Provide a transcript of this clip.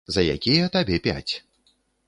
За якія табе пяць.